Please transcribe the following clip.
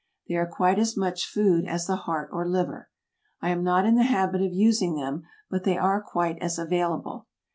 They are quite as much food as the heart or liver. I am not in the habit of using them, but they are quite as available.